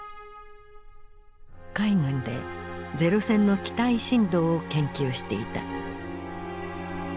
海軍で零戦の機体振動を研究していた。